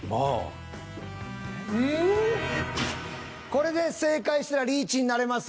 これで正解したらリーチになれます。